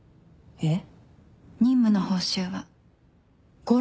えっ？